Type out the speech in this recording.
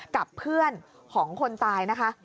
กับเพื่อนของคนตายนะคะ